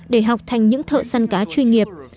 để học thành những thợ săn cá chuyên nghiệp